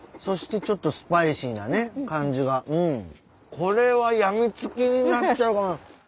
これは病みつきになっちゃう！